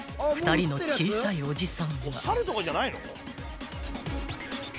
２人の小さいおじさんが］